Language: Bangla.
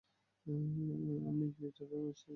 আমি গ্লিটার লাগানো স্ট্রেইটজ্যাকেট পরে আছি।